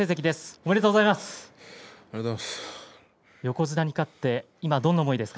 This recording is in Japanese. おめでとうございます。